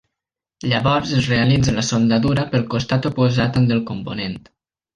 Llavors es realitza la soldadura pel costat oposat al del component.